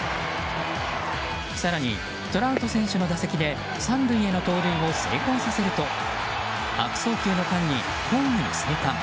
更に、トラウト選手の打席で３塁への盗塁を成功させると悪送球の間にホームに生還。